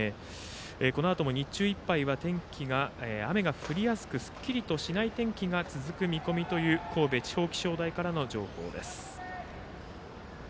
このあとも日中いっぱいは雨が降りやすくすっきりとしない天気が続く見込みという神戸地方気象台からの情報です。